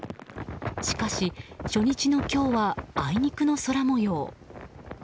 しかし、初日の今日はあいにくの空模様。